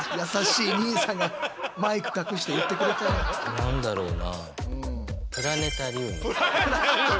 何だろうな。